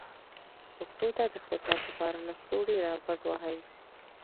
پښتو ته د خدمت لپاره لستوڼي را بډ وهئ.